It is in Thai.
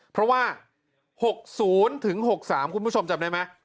เพราะว่า๖๐ถึง๖๓คุณผู้ชมจำได้ไหม